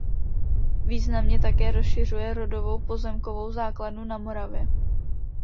Významně také rozšiřuje rodovou pozemkovou základnu na Moravě.